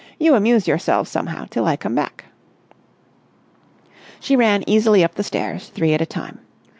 "You amuse yourselves somehow till I come back." She ran easily up the stairs, three at a time.